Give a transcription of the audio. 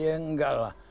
ya enggak lah